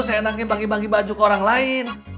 seenaknya bagi bagi baju ke orang lain